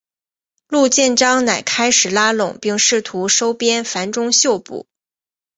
陆建章乃开始拉拢并试图收编樊钟秀部。